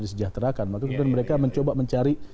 disejahterakan mereka mencoba mencari